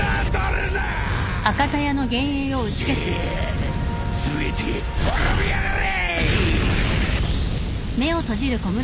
ハハハ全て滅びやがれ！